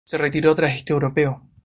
Se retiró tras este Europeo.